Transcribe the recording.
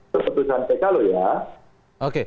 keputusan cekalo ya